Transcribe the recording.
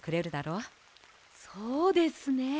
そうですね。